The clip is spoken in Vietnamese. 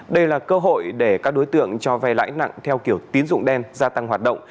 đây là cơ hội để các đối tượng cho vay lãi nặng theo kiểu tín dụng đen gia tăng hoạt động